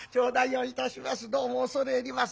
どうも恐れ入ります。